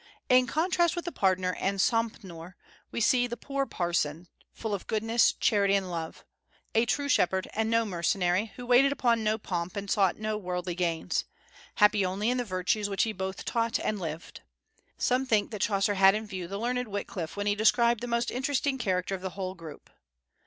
In contrast with the pardoner and "sompnour" we see the poor parson, full of goodness, charity, and love, a true shepherd and no mercenary, who waited upon no pomp and sought no worldly gains, happy only in the virtues which he both taught and lived. Some think that Chaucer had in view the learned Wyclif when he described the most interesting character of the whole group.